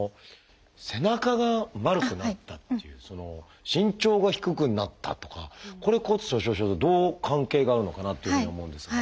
「背中が丸くなった」っていう「身長が低くなった」とかこれ骨粗しょう症とどう関係があるのかなっていうふうに思うんですが。